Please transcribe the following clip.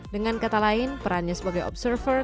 dengan kata lain perannya sebagai observer